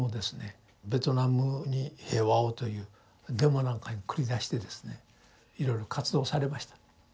ベトナムに平和をというデモなんかに繰り出してですねいろいろ活動されました。